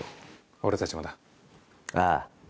俺たちもだ。ああ。